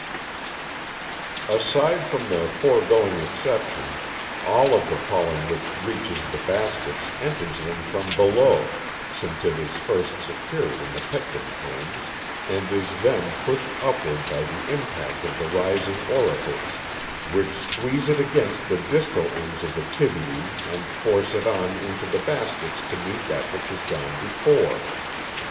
(See fig. 6.) Aside from the foregoing exception, all of the pollen which reaches the baskets enters them from below, since it is first secured by the pecten combs, and is then pushed upward by the impact of the rising auricles, which squeeze it against the distal ends of the tibiæ and force it on into the baskets to meet that which has gone before.